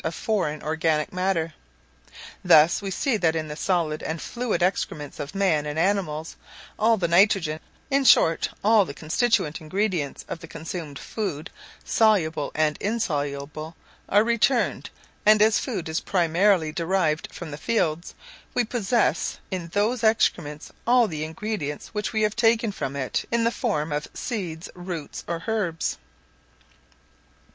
of foreign organic matter. Thus we see that in the solid and fluid excrements of man and animals, all the nitrogen in short, all the constituent ingredients of the consumed food, soluble and insoluble, are returned; and as food is primarily derived from the fields, we possess in those excrements all the ingredients which we have taken from it in the form of seeds, roots, or herbs.